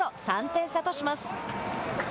３点差とします。